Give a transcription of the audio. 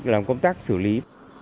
làm công tác xử lý